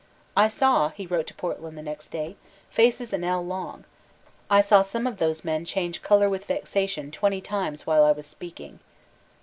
"I saw," he wrote to Portland the next day, "faces an ell long. I saw some of those men change colour with vexation twenty times while I was speaking."